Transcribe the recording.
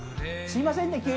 すいませんね